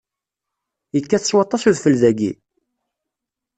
Yekkat s waṭas udfel dagi?